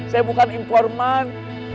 saya bukan informan